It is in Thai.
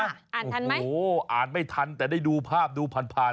อ่านทันไหมอ่านไม่ทันแต่ได้ดูภาพดูผ่าน